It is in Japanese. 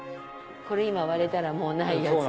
これ今割れたらもうないやつ。